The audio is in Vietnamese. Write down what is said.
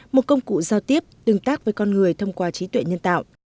một công cụ giao tiếp tương tác với con người thông qua trí tuệ nhân tạo